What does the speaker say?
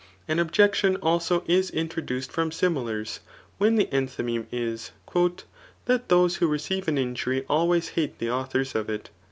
An objection also is intro duced from smilars^ when the endiymeme is, ^* That those who receive an injury always hate Qhe authors of it.